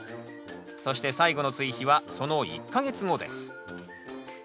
そして最後の追肥はその１か月後です。